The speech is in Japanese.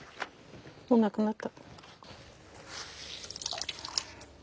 もうなくなった。